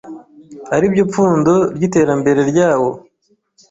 ari byo pfundo ry’iterambere ryawo.